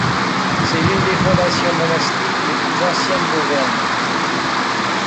C'est l'une des fondations monastiques les plus anciennes d'Auvergne.